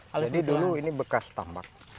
jadi dulu ini bekas tambak